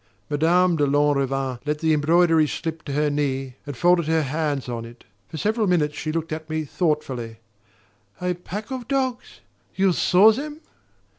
Madame de Lanrivain let the embroidery slip to her knee and folded her hands on it. For several minutes she looked at me thoughtfully. "A pack of dogs you SAW them?"